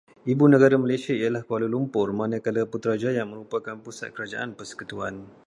Ibu negara Malaysia ialah Kuala Lumpur, manakala Putrajaya merupakan pusat kerajaan persekutuan.